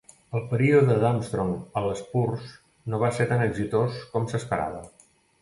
El període d'Armstrong al Spurs no va ser tan exitós com s'esperava.